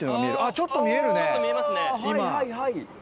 ちょっと見えますね。